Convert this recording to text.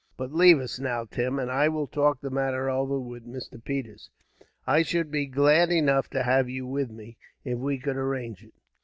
But leave us now, Tim, and I will talk the matter over with Mr. Peters. I should be glad enough to have you with me, if we could arrange it."